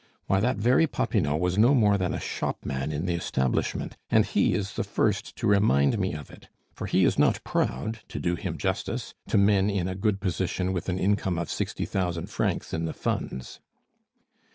Why, that very Popinot was no more than a shopman in the establishment, and he is the first to remind me of it; for he is not proud, to do him justice, to men in a good position with an income of sixty thousand francs in the funds."